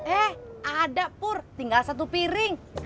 eh ada pur tinggal satu piring